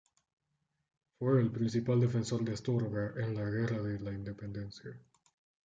Fue el principal defensor de Astorga en la Guerra de la Independencia.